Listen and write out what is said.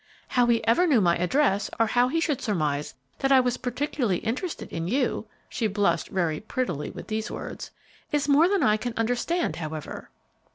How he ever knew my address, or how he should surmise that I was particularly interested in you," she blushed very prettily with these words, "is more than I can understand, however."